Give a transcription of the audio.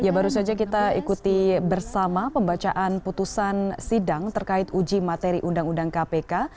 ya baru saja kita ikuti bersama pembacaan putusan sidang terkait uji materi undang undang kpk